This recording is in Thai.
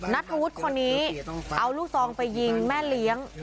นัทธวุฒิคนนี้เอาลูกซองไปยิงแม่เลี้ยง